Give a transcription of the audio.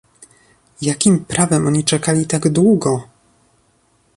jakim prawem oni czekali tak długo?!